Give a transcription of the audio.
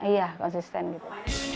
iya konsisten gitu